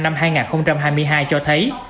năm hai nghìn hai mươi hai cho thấy